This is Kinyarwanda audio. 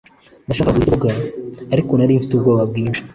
Nashakaga kugira icyo mvuga, ariko nari mfite ubwoba bwinshi.